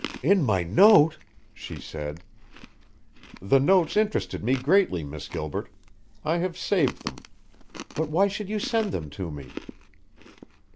"In my note?" she said. "The notes interested me greatly, Miss Gilbert. I have saved them. But why should you send them to me?"